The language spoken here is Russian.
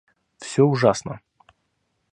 Всё ужасно